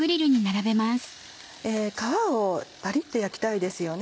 皮をパリっと焼きたいですよね。